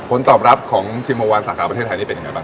ผลตอบรับของทิมโฮวานสาธารประเทศไทยนี่เป็นไงบ้าง